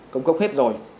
công cốc hết rồi